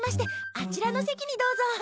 あちらの席にどうぞ。